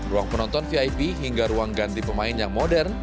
ruang penonton vip hingga ruang ganti pemain yang modern